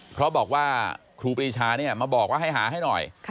เพราะบอกว่าครูปรีชามาบอกว่าให้หาให้หน่อย